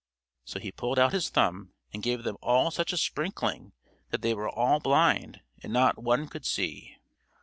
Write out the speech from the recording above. So he pulled out his thumb and gave them all such a sprinkling that they were all blind, and not one could see.